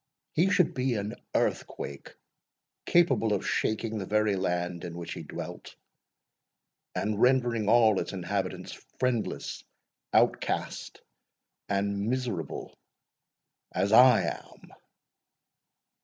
he should be an earthquake capable of shaking the very land in which he dwelt, and rendering all its inhabitants friendless, outcast, and miserable as I am!"